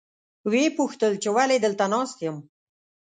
ویې پوښتل چې ولې دلته ناست یم.